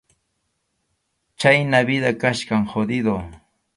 Chhayna vida kachkan jodido.